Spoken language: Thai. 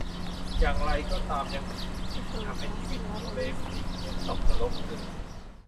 อย่างไรก็ตามยังมีอีกสิ่งที่ทำให้ชีวิตของเรซนิคเหมือนตกนรกคือ